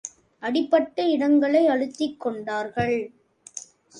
அடிபட்ட இடங்களை அழுத்திக் கொண்டார்கள்.